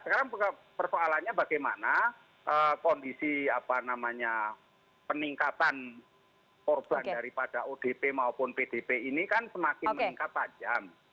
sekarang persoalannya bagaimana kondisi peningkatan korban daripada odp maupun pdp ini kan semakin meningkat tajam